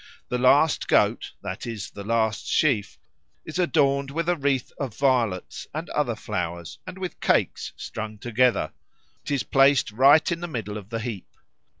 The last Goat, that is, the last sheaf, is adorned with a wreath of violets and other flowers and with cakes strung together. It is placed right in the middle of the heap.